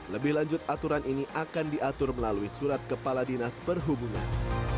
lebih lanjut aturan ini akan diatur melalui surat kepala dinas perhubungan